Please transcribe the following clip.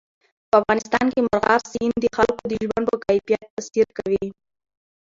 په افغانستان کې مورغاب سیند د خلکو د ژوند په کیفیت تاثیر کوي.